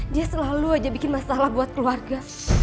dia selalu aja bikin masalah buat keluarga